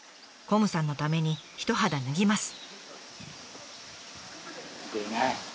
こむさんのために一肌脱ぎます。